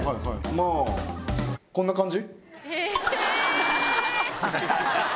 まぁこんな感じ？